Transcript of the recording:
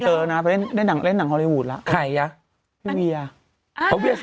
เราต้องไปยุ่งกับคนนอกวงการแล้วตอนนี้